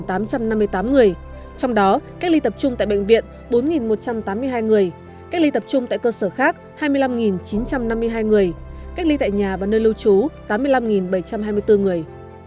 trong đó cách ly tập trung tại bệnh viện bốn một trăm tám mươi hai người cách ly tập trung tại cơ sở khác hai mươi năm chín trăm năm mươi hai người cách ly tại nhà và nơi lưu trú tám mươi năm bảy trăm hai mươi bốn người